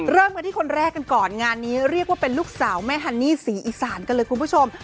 เริ่มกันที่คนแรกกันก่อนงานนี้เรียกว่าเป็นลูกสาวแม่ฮันนี่ศรีอีสานกันเลยคุณผู้ชม